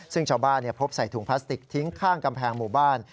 ซึ่งชาวบ้านพบใส่ถุงพลาสติกทิ้งข้างกำแพงหมู่บ้าน